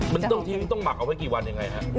มันต้องทิ้งต้องหมักเอาไว้กี่วันยังไงฮะ